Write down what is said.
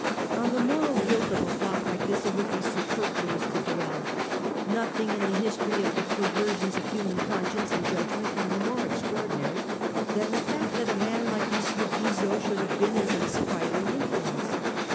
On the moral guilt of a plot like this it would he superfluous to dwell. Nothing in the history of the perversions of human conscience and judgment can be more extraordinary than the fact that a man like M. Guizot should have been its inspiring influence.